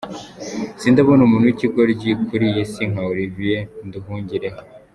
Sindabona umuntu w’ikigoryi kuri iyi si nka Olivier Nduhungirehe.